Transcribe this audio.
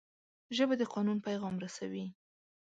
ژبه د قانون پیغام رسوي